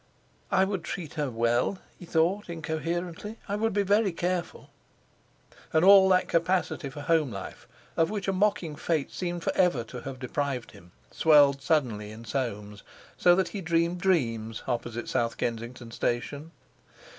"I would treat her well," he thought incoherently. "I would be very careful." And all that capacity for home life of which a mocking Fate seemed for ever to have deprived him swelled suddenly in Soames, so that he dreamed dreams opposite South Kensington Station.